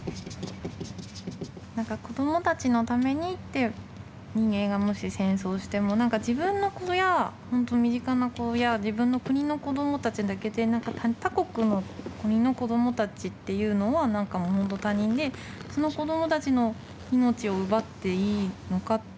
何か「子どもたちのために」って人間がもし戦争をしても何か自分の子やほんと身近な子や自分の国の子どもたちだけで何か他国の国の子どもたちっていうのは何かほんと他人でその子供たちの命を奪っていいのかって。